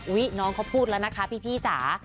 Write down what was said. น้องเขาพูดแล้วนะคะพี่จ๋า